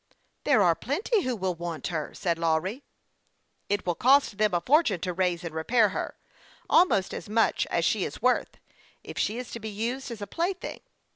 "'" There are plenty who will want her," said Lawry. " It will cost them a fortune to raise and repair her almost as much as she is worth, if she is to be used as a plaything.